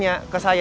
papa tanya ke saya